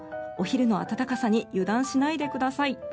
お昼の暖かさに油断しないでください。